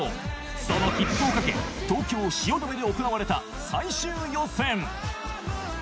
その切符を懸け東京・汐留で行われた最終予選